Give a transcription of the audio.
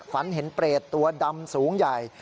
ฝันเห็นเปรตตัวดำสูงใหญ่